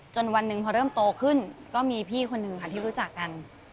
วันหนึ่งพอเริ่มโตขึ้นก็มีพี่คนหนึ่งค่ะที่รู้จักกัน